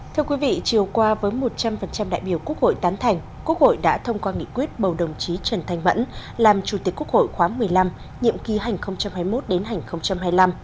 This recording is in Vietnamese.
thưa quý vị chiều qua với một trăm linh đại biểu quốc hội tán thành quốc hội đã thông qua nghị quyết bầu đồng chí trần thanh mẫn làm chủ tịch quốc hội khóa một mươi năm nhiệm ký hành hai mươi một đến hành hai mươi năm